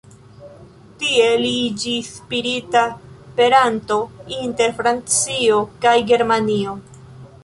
Tie li iĝis spirita peranto inter Francio kaj Germanio.